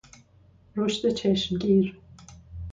رشد چشمگیر